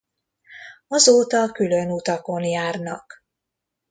Azóta külön utakon járnak.